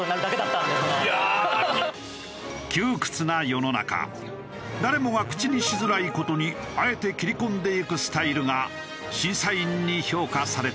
窮屈な世の中誰もが口にしづらい事にあえて切り込んでいくスタイルが審査員に評価されたようだ。